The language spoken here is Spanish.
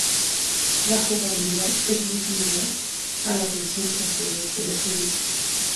La jugabilidad es muy similar a las versiones anteriores de la serie Worms.